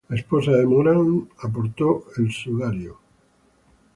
La esposa de Moran aportó el sudario.